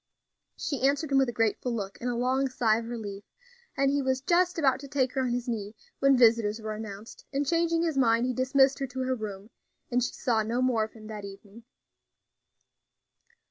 She answered him with a grateful look and a long sigh of relief, and he was just about to take her on his knee when visitors were announced, and, changing his mind, he dismissed her to her room, and she saw no more of him that evening.